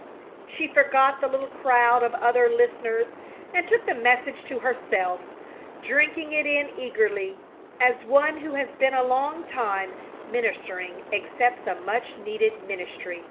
She forgot the little crowd of other listeners and took the message to herself, drinking it in eagerly as one who has been a long time ministering accepts a much needed ministry.